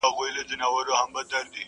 د ژوند له ټاله به لوېدلی یمه.!